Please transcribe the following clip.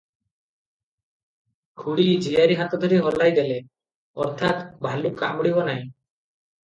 ଖୁଡ଼ି ଝିଆରୀ ହାତ ଧରି ହଲାଇ ଦେଲେ - ଅର୍ଥାତ୍, ଭାଲୁ କାମୁଡ଼ିବ ନାହିଁ ।